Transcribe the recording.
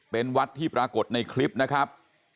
เป็นวัดที่ปรากฏในคลิปนะครับ